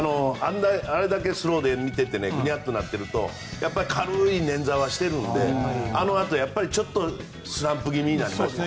あれだけスローで見ていてぐにゃっとなっていると軽いねんざはしているのであのあとちょっとスランプ気味になりました。